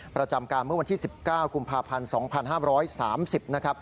ประจำการเมื่อวันที่๑๙กุมภาพันธ์๒๕๓๐นะครับ